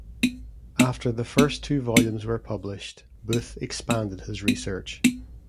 After the first two volumes were published Booth expanded his research.